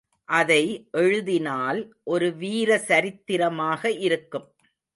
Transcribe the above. அதை எழுதினால் ஒரு வீரசரித்திரமாக இருக்கும்.